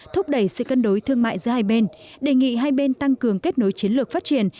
thúc đẩy sự cân đối thương mại giữa hai bên đề nghị hai bên tăng cường kết nối chiến lược phát triển